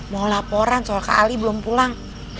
mau laporan soal kak ali belum pulang